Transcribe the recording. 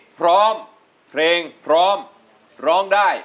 เพลงพร้อมร้องได้